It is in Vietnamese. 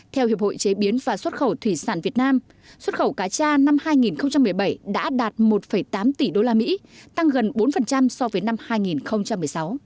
theo hiệp hội chế biến và xuất khẩu thủy sản việt nam xuất khẩu cá tra năm hai nghìn một mươi bảy đã đạt một tám tỷ usd tăng gần bốn so với năm hai nghìn một mươi sáu